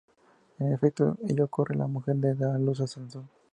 En efecto, ello ocurre: la mujer da a luz a Sansón.